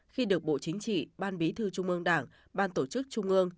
khi được bộ chính trị ban bí thư trung ương đảng ban tổ chức trung ương